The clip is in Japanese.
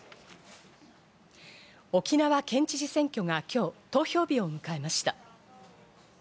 沖縄県知事選挙が今日、投票日を迎えました。